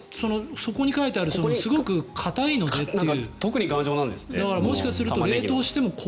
そこに書いてあるすごく硬いのでっていう。